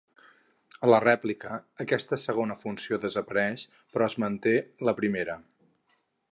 A la rèplica, aquesta segona funció desapareix, però es manté la primera.